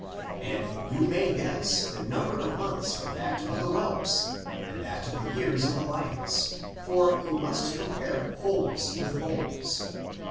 And you may guess the number of the months from that of the whelps, and that of the years from the lioness; for you must compare wholes ' with wholes."